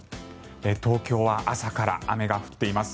東京は朝から雨が降っています。